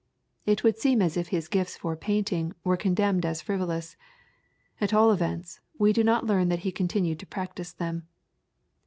It would seem as if his gifts for painting were condemned as frivolous; at all events, we do not learn that he continued to practise them.